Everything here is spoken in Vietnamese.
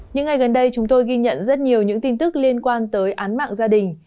những ngày gần đây chúng tôi ghi nhận rất nhiều những tin tức liên quan tới án mạng gia đình